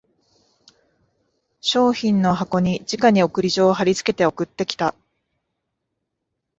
商品の箱にじかに送り状を張りつけて送ってきた